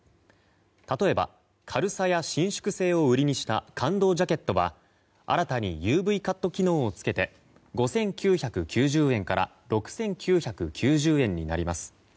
例えば軽さや伸縮性を売りにした感動ジャケットは新たにＵＶカット機能をつけて５９９０円から６９９０円になります。